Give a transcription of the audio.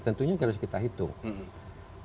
tentunya harus kita hitung